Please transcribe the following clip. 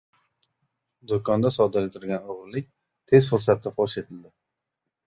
Do‘konda sodir etilgan o‘g‘irlik tez fursatda fosh etildi